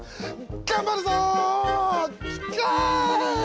頑張るぞ！